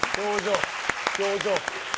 表情。